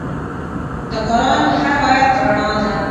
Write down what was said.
د قرآن هر آیت رڼا ده.